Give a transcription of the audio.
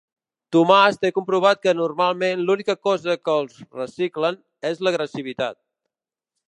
Tomàs té comprovat que normalment l'única cosa que els reciclen és l'agressivitat.